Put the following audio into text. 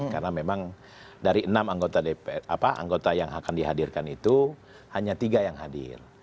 karena memang dari enam anggota yang akan dihadirkan itu hanya tiga yang hadir